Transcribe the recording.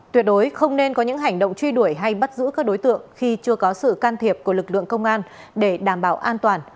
tuyệt đối không nên có những hành động truy đuổi hay bắt giữ các đối tượng khi chưa có sự can thiệp của lực lượng công an để đảm bảo an toàn